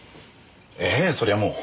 ええそりゃもう。